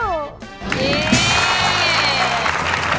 เย้